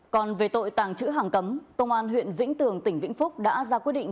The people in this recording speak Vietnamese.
còn về tội tàng trữ hàng cấm công an huyện vĩnh tường tỉnh vĩnh phúc đã ra quyết định